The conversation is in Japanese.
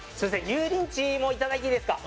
油淋鶏もいただいていいですか？